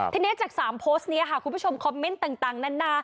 ทีนี้จาก๓โพสต์นี้ค่ะคุณผู้ชมคอมเมนต์ต่างนานา